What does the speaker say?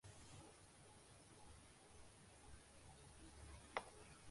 جس میں بت پرستی کو سختی سے ممنوع قرار دیا گیا